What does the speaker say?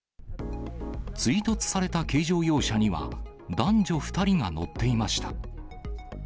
追突された軽乗用車には、男女２人が乗っていました。